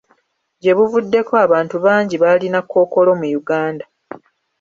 Gye buvuddeko, abantu bangi balina kkookolo mu Uganda.